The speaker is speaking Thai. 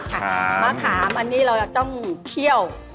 มะขามอันนี้เราจะต้องเคี่ยว